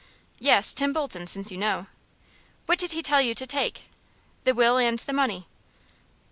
"Yes, Tim Bolton, since you know." "What did he tell you to take?" "The will and the money."